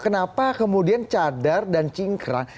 kenapa kemudian cadar dan cingkrang